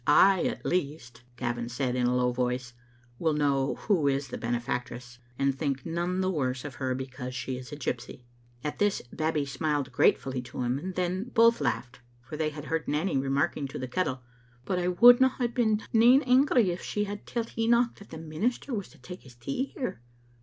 "I, at least," Gavin said in a low voice, "will know who is the benefactress, and think none the worse of her because she is a gypsy. " At this Babbie smiled gratefully to him, and then both laughed, for they had heard Nanny remarking to the kettle, *' But I wouldna hae been nane angry if she had telled Enoch that the minister was to take his tea here.